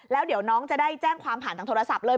แล้วเดี๋ยวน้องจะได้แจ้งความผ่านทางโทรศัพท์เลย